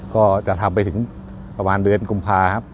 ก็จะทำไปถึงประมาณเดือนกุมภาครับ